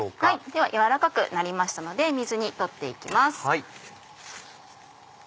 では軟らかくなりましたので水に取って行きます。